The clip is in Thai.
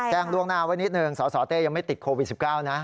แจ้งล่วงหน้าไว้นิดนึงสสเต้ยังไม่ติดโควิด๑๙นะ